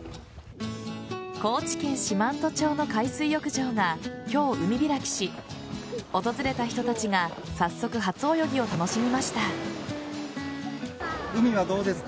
高知県四万十町の海水浴場が今日、海開きし訪れた人たちが早速、初泳ぎを楽しみました。